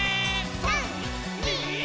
３、２、１。